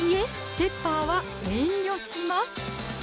ペッパーは遠慮します